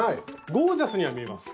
ゴージャスには見えます。